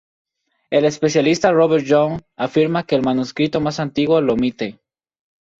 El especialista Robert Young afirma que "el manuscrito más antiguo lo omite".